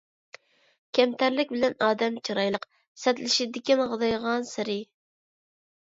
كەمتەرلىك بىلەن ئادەم چىرايلىق، سەتلىشىدىكەن غادايغانسېرى.